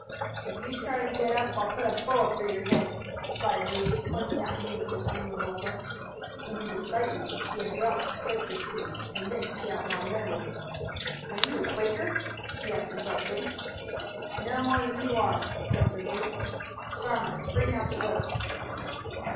"If you try to get up I'll put a bullet through your head," replied Luke, pointing at him with his own revolver. In his excitement he had dropped his Quaker speech, and this the outlaw noted. "Are you a Quaker?" he asked abruptly. "No more than you are," answered Luke. "Farmer, bring out the rope."